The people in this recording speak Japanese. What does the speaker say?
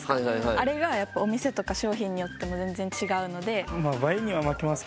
あれがやっぱお店とか商品によっても全然違うので。